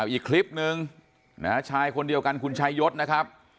อีกคลิปนึงนะฮะชายคนเดียวกันคุณชายศนะครับ